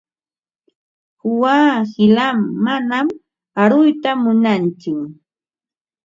Quwaa qilam, manam aruyta munantsu.